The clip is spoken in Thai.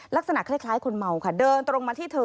ลักษณะคล้ายคนเมาค่ะเดินตรงมาที่เธอ